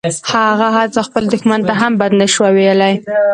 هغه حتی خپل دښمن ته هم بد نشوای ویلای